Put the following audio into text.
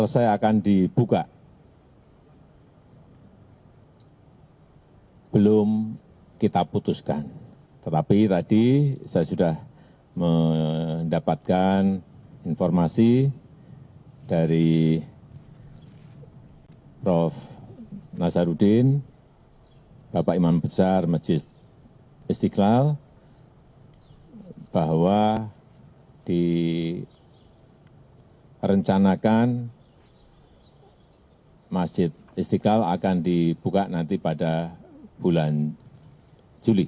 saya ingin mengucapkan kepada bapak iman besar masjid istiqlal bahwa direncanakan masjid istiqlal akan dibuka nanti pada bulan juli